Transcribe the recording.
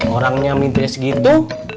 orangnya minta segitu